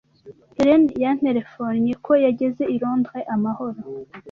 Helen yanterefonnye ko yageze i Londres amahoro.